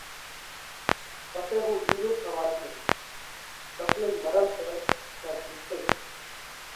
پسئہ هُون ٻِيزو سوئال ڪرِيه: سڪلئِي مرل سئہ ڪا جِيوَتئِي سئہ؟